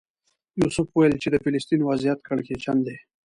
یوسف وویل چې د فلسطین وضعیت کړکېچن دی.